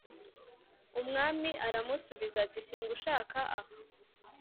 umwami aramusubiza ati singushaka aha